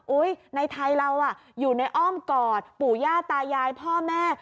ในไทยเราอยู่ในอ้อมกอดปู่ย่าตายายพ่อแม่